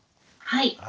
はい。